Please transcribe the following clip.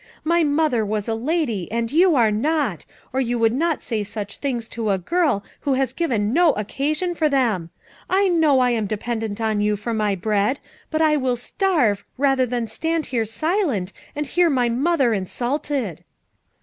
My mother was a lady, and you are not; or you would not say such words to a girl who has given no occasion for them. I know I am de pendent on you for my bread, but I will starve, rather than stand here silent and hear my mother insulted."